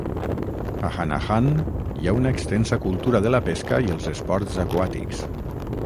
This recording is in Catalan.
A Hanahan hi ha una extensa cultura de la pesca i els esports aquàtics.